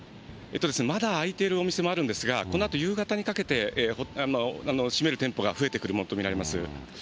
まだ開いているお店もあるんですが、このあと夕方にかけて、閉める店舗が増えてくるものと見られます。